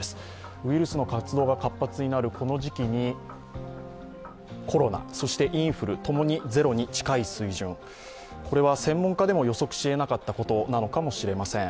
ウイルスの活動が活発になるこの時期にコロナ、そしてインフル、共にゼロに近い水準、これは専門家でも予測しえなかったことなのかもしれません。